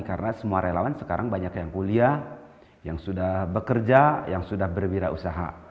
karena semua relawan sekarang banyak yang kuliah yang sudah bekerja yang sudah berwirausaha